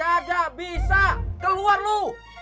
kagak bisa keluar lu